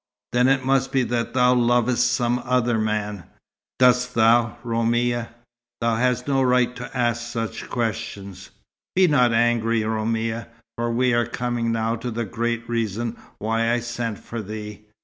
"Then it must be that thou lovest some other man. Dost thou, Roumia?" "Thou hast no right to ask such questions." "Be not angry, Roumia, for we are coming now to the great reason why I sent for thee.